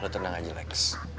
lo tenang aja lex